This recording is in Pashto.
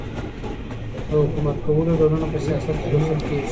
د حکومت کولو ډولونه په سیاست کي لوستل کیږي.